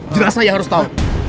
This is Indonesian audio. jelas saya harus tau